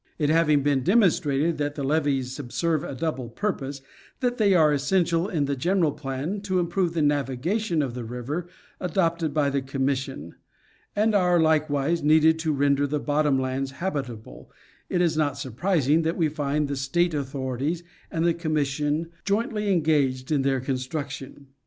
It having been demonstrated that the levees subserve a double pur pose, that they are essential in the general plan to improve the navigation of the river adopted by the Commission, and are like wise needed to render the bottom lands habitable, it is not sur prising that we find the State authorities and the Commission jointly engaged in their construction.